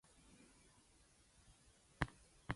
It is not clear when or how he obtained his title of count.